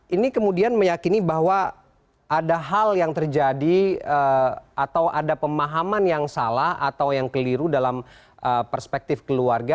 ini kemudian meyakini bahwa ada hal yang terjadi atau ada pemahaman yang salah atau yang keliru dalam perspektif keluarga